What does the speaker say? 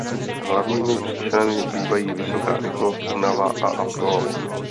Hlavními příčinami bývají vysoká rychlost, únava a alkohol.